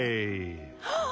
はあ！